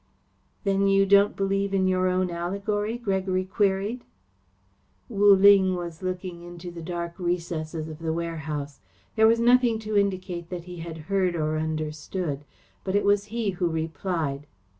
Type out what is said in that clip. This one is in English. "Then you don't believe in your own allegory?" Gregory queried. Wu Ling was looking into the dark recesses of the warehouse. There was nothing to indicate that he had heard or understood, but it was he who replied.